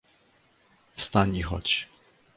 "Wstań i chodź!"